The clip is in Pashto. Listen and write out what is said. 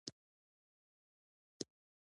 نواب وزیر او سیندهیا ته اطلاع ورکړه شوه.